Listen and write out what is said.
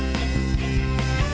di tempat ini